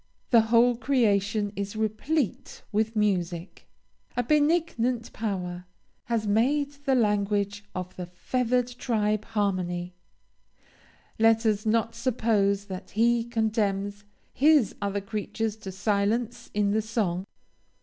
The whole creation is replete with music, a benignant Power has made the language of the feathered tribe harmony; let us not suppose that He condemns his other creatures to silence in the song.